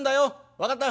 分かったな？